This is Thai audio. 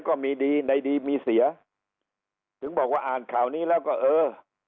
ก็มีดีในดีมีเสียถึงบอกว่าอ่านข่าวนี้แล้วก็เออ